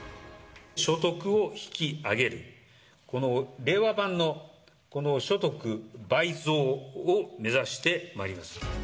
所得を引き上げる、この令和版のこの所得倍増を目指してまいります。